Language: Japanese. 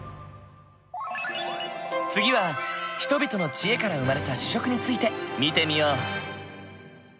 次は人々の知恵から生まれた主食について見てみよう。